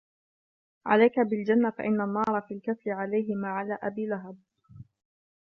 عليك بالجنة فإن النار في الكف عليه ما على أبي لهب